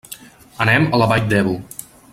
Anem a la Vall d'Ebo.